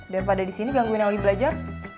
daripada disini gangguin yang lagi belajar